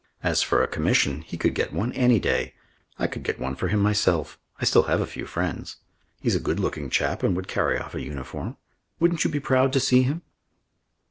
As for a commission, he could get one any day. I could get one for him myself. I still have a few friends. He's a good looking chap and would carry off a uniform. Wouldn't you be proud to see him?"